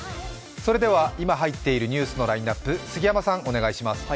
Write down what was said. それでは今入っているニュースのラインナップ杉山さん、お願いします。